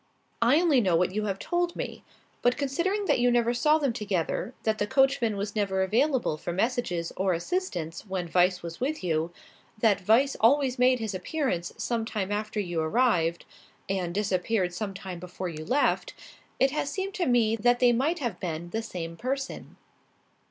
"I only know what you have told me. But considering that you never saw them together, that the coachman was never available for messages or assistance when Weiss was with you; that Weiss always made his appearance some time after you arrived, and disappeared some time before you left; it has seemed to me that they might have been the same person."